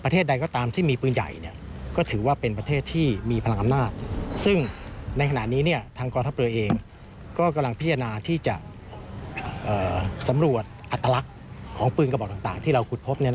ทางกรทัพเลยเองกำลังพิจารณาที่จะสำรวจอตลักของปืนกระบอบต่างที่เราคุดพบ